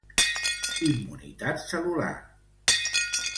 Immunitat cel·lular.